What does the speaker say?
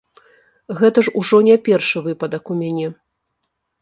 Гэта ж ужо не першы выпадак у мяне.